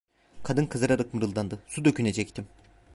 Kadın kızararak mırıldandı: "Su dökünecektim…"